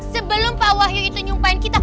sebelum pak wahyu itu nyumpahin kita